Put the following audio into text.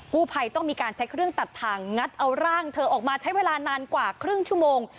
ผู้ภัยต้องมีการใช้เครื่องตัดทางงัดเอาร่างเธอออกมาใช้เวลานานกว่าครึ่งชั่วโมง